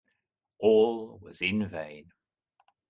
All was in vain.